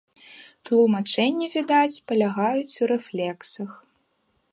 Тлумачэнні, відаць, палягаюць у рэфлексах.